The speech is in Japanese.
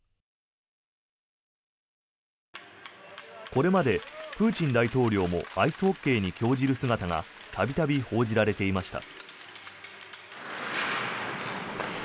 これまでプーチン大統領もアイスホッケーに興じる姿が度々報じられていました。